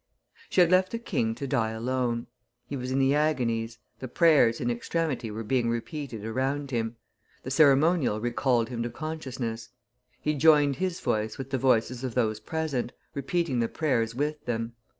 She had left the king to die alone. He was in the agonies; the prayers in extremity were being repeated around him; the ceremonial recalled him to consciousness. He joined his voice with the voices of those present, repeating the prayers with them.